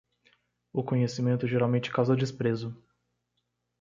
O conhecimento geralmente causa desprezo.